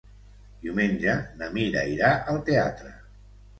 Diumenge na Mira irà al teatre.